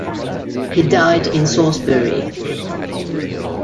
He died in Salisbury.